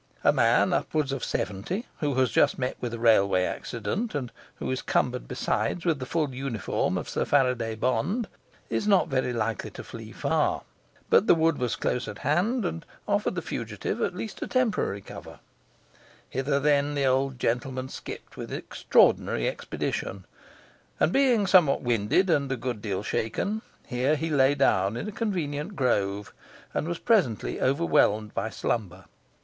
A man of upwards of seventy, who has just met with a railway accident, and who is cumbered besides with the full uniform of Sir Faraday Bond, is not very likely to flee far, but the wood was close at hand and offered the fugitive at least a temporary covert. Hither, then, the old gentleman skipped with extraordinary expedition, and, being somewhat winded and a good deal shaken, here he lay down in a convenient grove and was presently overwhelmed by slumber.